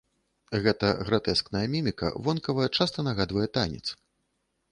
Гэта гратэскная міміка вонкава часта нагадвае танец.